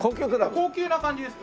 高級な感じですよ。